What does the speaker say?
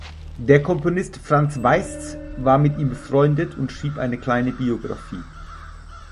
Der Komponist Franz Weisz war mit ihm befreundet und schrieb eine kleine Biografie.